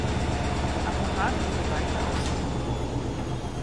Der Apparat wurde weiter ausgebaut.